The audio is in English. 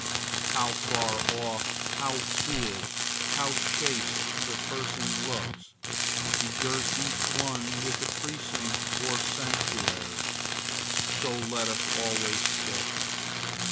How far off, how cool, how chaste the persons look, begirt each one with a precinct or sanctuary! So let us always sit.